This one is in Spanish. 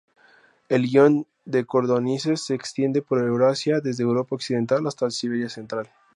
El guion de codornices se extiende por Eurasia desde Europa occidental hasta Siberia central.